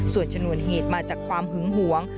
ส่วนชนวนเหตุมาจากความหึงหวง